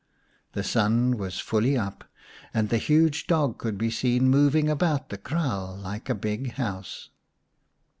The sun was fully up, and the huge dog could be seen moving about the kraal like a big house.